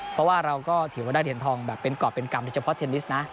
เพราะว่าเราก็ถือว่าได้เหรียญทองแบบเป็นกรอบเป็นกรรมโดยเฉพาะเทนนิสนะ